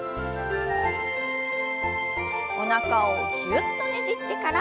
おなかをぎゅっとねじってから。